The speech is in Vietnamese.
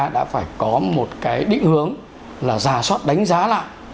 đã phải có một cái định hướng là giả soát đánh giá lại